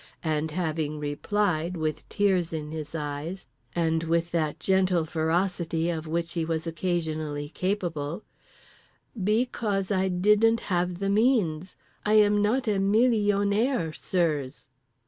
—and having replied, with tears in his eyes and that gentle ferocity of which he was occasionally capable: "Be cause I didn't have the means. I am not a mil lion aire, Sirs."